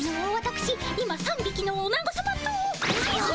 今３びきのおなごさまと。